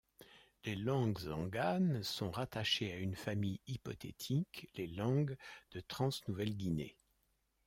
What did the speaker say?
Les langues enganes sont rattachées à une famille hypothétique, les langues de Trans-Nouvelle Guinée.